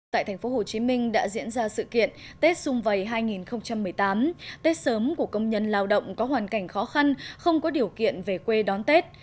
tại thành phố hồ chí minh đã diễn ra sự kiện tết xung vầy hai nghìn một mươi tám tết sớm của công nhân lao động có hoàn cảnh khó khăn không có điều kiện về quê đón tết